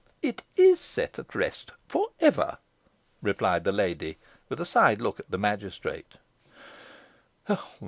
"It is set at rest for ever!" replied the lady, with a side look at the magistrate.